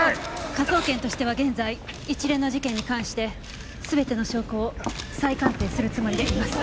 科捜研としては現在一連の事件に関して全ての証拠を再鑑定するつもりでいます。